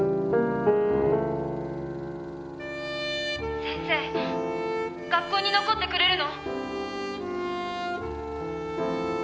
「先生学校に残ってくれるの？」